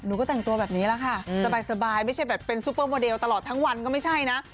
ก็แต่งตัวแบบนี้แหละค่ะสบายไม่ใช่แบบเป็นซูเปอร์โมเดลตลอดทั้งวันก็ไม่ใช่นะ